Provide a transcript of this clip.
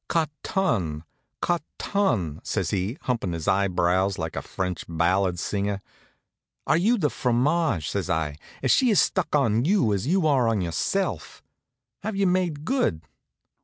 "Cot ton? Cot ton?" says he, humpin' his eyebrows like a French ballad singer. "Are you the fromage?" says I. "Is she as stuck on you as you are on yourself? Have you made good?"